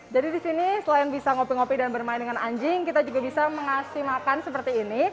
jadi disini selain bisa ngopi ngopi dan bermain dengan anjing kita juga bisa mengasih makan seperti ini